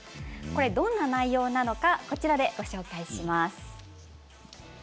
どんな内容なのかこちらでご紹介します。